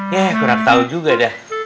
ya kurang tahu juga dah